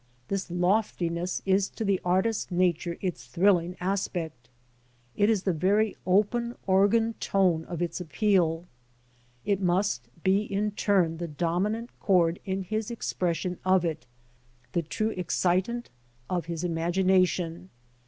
This loftiness is to the artist nature its thrilling aspect. It is the very open organ tone in its appeal. It must be in turn the dominant chord in his expression of it, the true excitant of his imagination.